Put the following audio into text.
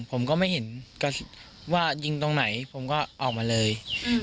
ผมก็ไม่เห็นว่ายิงตรงไหนผมก็ออกมาเลย